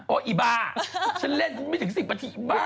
โอ๊ยอีบ้าฉันเล่นไม่ถึง๑๐ประถีอีบ้า